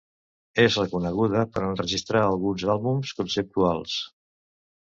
És reconeguda per enregistrar alguns àlbums conceptuals.